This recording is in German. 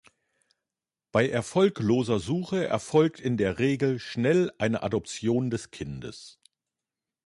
Bei erfolgloser Suche erfolgt in der Regel schnell eine Adoption des Kindes.